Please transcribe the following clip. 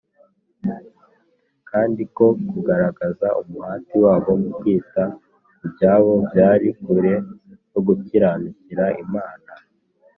kandi ko kugaragaza umuhati wabo mu kwita kubyabo byari kure yo gukiranukira Imana